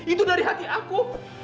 itu dari hati aku